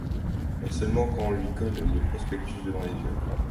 Mais seulement quand on lui colle le prospectus devant les yeux.